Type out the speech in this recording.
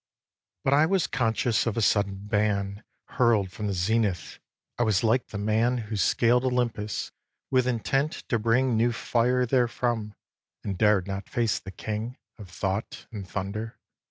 xvii. But I was conscious of a sudden ban Hurl'd from the zenith. I was like the man Who scaled Olympus, with intent to bring New fire therefrom, and dared not face the King Of thought and thunder.